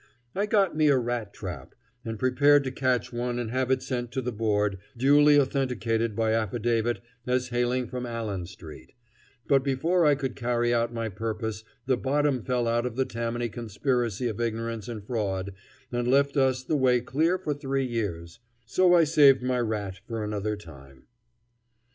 I got me a rat trap, and prepared to catch one and have it sent in to the Board, duly authenticated by affidavit as hailing from Allen Street; but before I could carry out my purpose the bottom fell out of the Tammany conspiracy of ignorance and fraud and left us the way clear for three years, So I saved my rat for another time.